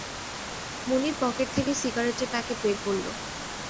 মুনির pocket থেকে সিগারেটের packet বের করল।